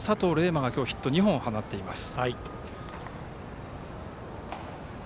磨は今日ヒット２本、放っています。